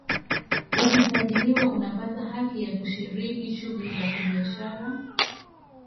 ukisajiliwa unapata haki ya kushiriki shughuli za kibiashara